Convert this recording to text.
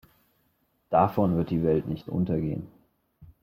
Davon wird die Welt nicht untergehen.